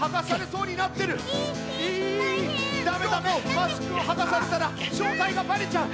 マスクをはがされたらしょうたいがバレちゃう。